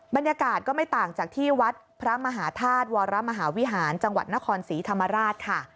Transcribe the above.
บรรยากาศก็ไม่ต่างจากที่วัดพระมหาธาตุวรมหาวิหารจังหวัดนครศรีธรรมราชค่ะ